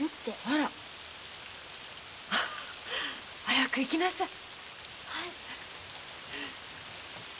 あら？早く行きなさい。